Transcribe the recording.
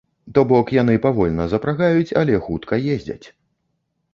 То бок яны павольна запрагаюць, але хутка ездзяць.